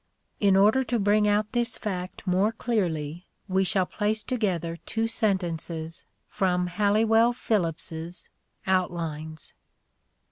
In order to bring out this fact more clearly we shall place together two sentences from Halliwell Phillipps's " Outlines."